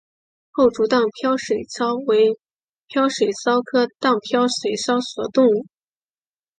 厚足荡镖水蚤为镖水蚤科荡镖水蚤属的动物。